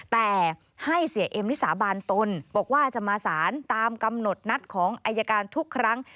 แต่ให้เสียเอ็มนิสาบานตนบอกว่าจะมาสารตามกำหนดนัดของอายการทุกครั้ง